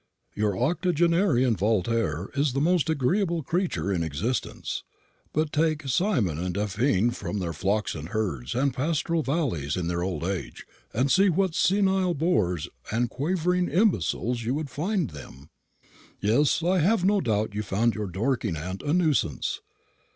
Your octogenarian Voltaire is the most agreeable creature in existence. But take Cymon and Daphne from their flocks and herds and pastoral valleys in their old age, and see what senile bores and quavering imbeciles you would find them. Yes, I have no doubt you found your Dorking aunt a nuisance.